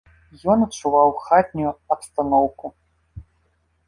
Ён адчуваў хатнюю абстаноўку.